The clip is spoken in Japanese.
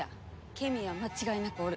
ケミーは間違いなくおる。